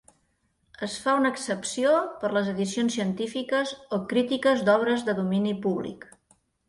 Es fa una excepció per a les edicions científiques o crítiques d'obres de domini públic.